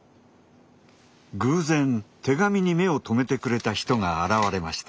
偶然手紙に目を留めてくれた人が現れました。